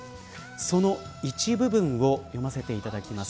その一部分を読ませていただきます。